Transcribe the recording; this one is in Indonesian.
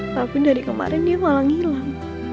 tapi dari kemarin dia malah ngilang